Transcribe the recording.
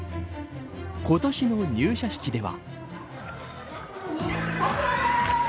今年の入社式では。